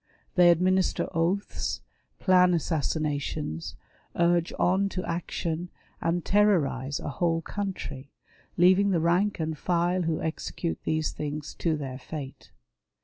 They administer oaths, plan assassinations, urge on to action, and terrorize a whole country, leaving the rank and file who execute these things to their fate.